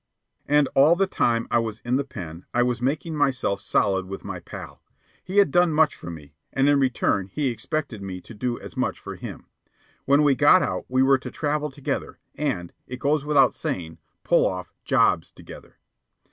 And all the time I was in the Pen I was making myself solid with my pal. He had done much for me, and in return he expected me to do as much for him. When we got out, we were to travel together, and, it goes without saying, pull off "jobs" together.